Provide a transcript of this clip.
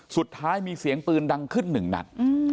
สุดท้ายมีเสียงปืนดังขึ้นหนึ่งนัด